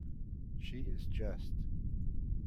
She is just.